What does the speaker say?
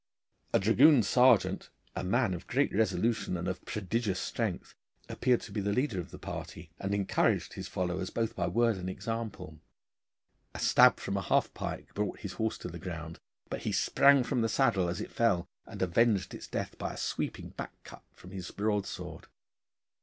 A dragoon sergeant, a man of great resolution and of prodigious strength, appeared to be the leader of the party, and encouraged his followers both by word and example. A stab from a half pike brought his horse to the ground, but he sprang from the saddle as it fell, and avenged its death by a sweeping back handed cut from his broadsword.